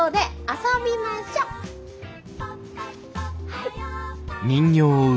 はい。